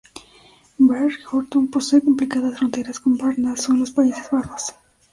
Baarle-Hertog posee complicadas fronteras con Baarle-Nassau en los Países Bajos.